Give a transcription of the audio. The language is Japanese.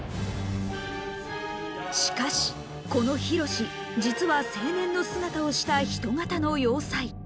しかしこのヒロシ実は青年の姿をした人型の要塞。